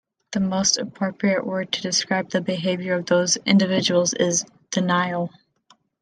The most appropriate word to describe the behavior of those individuals is 'denial'.